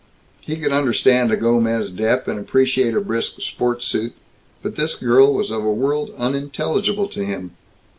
He could understand a Gomez Dep and appreciate a brisk sports suit, but this girl was of a world unintelligible to him.